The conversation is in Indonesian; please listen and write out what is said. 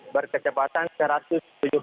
berkecepatan satu ratus tujuh puluh lima km per jam